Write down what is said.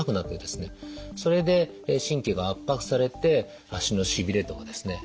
それで神経が圧迫されて足のしびれとかですね